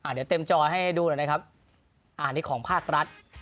เดี๋ยวเต็มจอให้ดูหน่อยนะครับอันนี้ของภาครัฐ